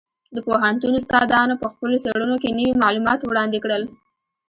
د پوهنتون استادانو په خپلو څېړنو کې نوي معلومات وړاندې کړل.